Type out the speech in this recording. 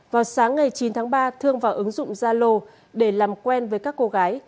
vào sáng ngày chín tháng ba thương vào ứng dụng gia lô để làm quen với các cô gái